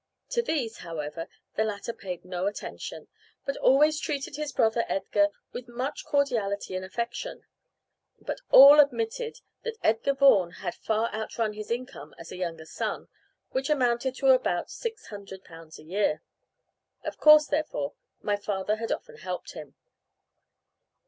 To these, however, the latter paid no attention, but always treated his brother Edgar with much cordiality and affection. But all admitted that Edgar Vaughan had far outrun his income as a younger son, which amounted to about 600*l.* a year. Of course, therefore, my father had often helped him.